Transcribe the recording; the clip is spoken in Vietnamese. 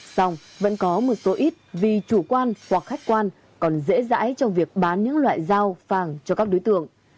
xong vẫn có một số ít vì chủ quan hoặc khách quan còn dễ dãi trong việc bán những loại dao vàng cho các đối tượng